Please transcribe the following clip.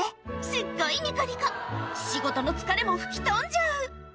すっごいニコニコ仕事の疲れも吹き飛んじゃう